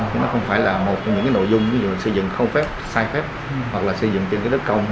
nó không phải là một trong những nội dung xây dựng không phép sai phép hoặc là xây dựng trên đất công